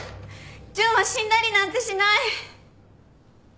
純は死んだりなんてしない！